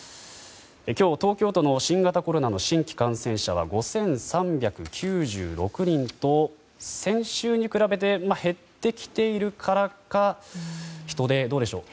今日、東京都の新型コロナの新規感染者は５３９６人と先週に比べて減ってきているからか人出、どうでしょう。